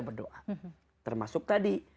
berdoa termasuk tadi